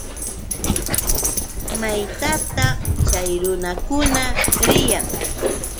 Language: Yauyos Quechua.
¿Maytataq chay runakuna riyan?